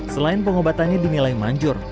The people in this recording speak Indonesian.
selain pengobatannya dinilai manjur